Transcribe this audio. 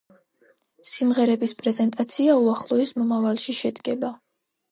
სიმღერების პრეზენტაცია უახლოეს მომავალში შედგება.